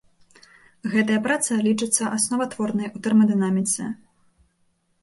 Гэтая праца лічыцца асноватворнай у тэрмадынаміцы.